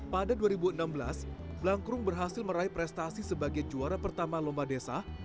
pada dua ribu enam belas blankrum berhasil meraih prestasi sebagai juara pertama lomba desa